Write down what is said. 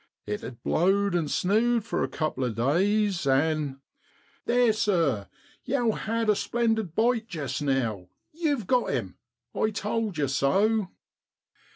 It had blowed an' snewed for a couple of days, an' ' Theer, sir, yow had a splendid bite jest now yew've got him! I towd yer so.'